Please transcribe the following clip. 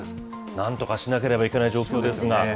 なんとかしなければいけない状況ですが。